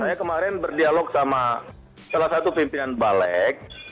saya kemarin berdialog sama salah satu pimpinan balik